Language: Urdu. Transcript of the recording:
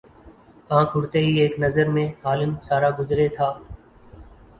آنکھ اٹھتے ہی ایک نظر میں عالم سارا گزرے تھا